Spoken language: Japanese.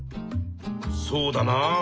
そうだなあ。